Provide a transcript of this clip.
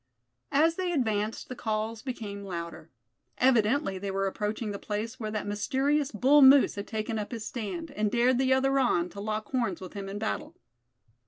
As they advanced, the calls became louder. Evidently they were approaching the place where that mysterious bull moose had taken up his stand, and dared the other on, to lock horns with him in battle.